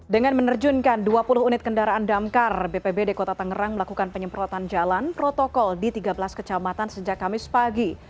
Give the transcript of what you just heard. dengan menerjunkan dua puluh unit kendaraan damkar bpbd kota tangerang melakukan penyemprotan jalan protokol di tiga belas kecamatan sejak kamis pagi